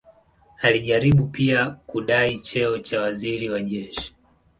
Alijaribu pia kudai cheo cha waziri wa jeshi.